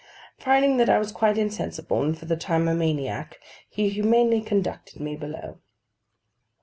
Finding that I was quite insensible, and for the time a maniac, he humanely conducted me below.